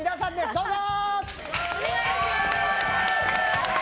どうぞ！